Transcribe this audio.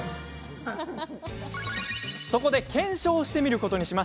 そこで検証してみることに。